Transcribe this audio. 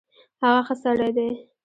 هغه ښۀ سړی ډی